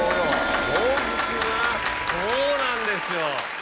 そうなんですよ。